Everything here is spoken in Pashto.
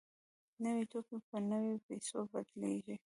نوي توکي په نویو پیسو بدلېږي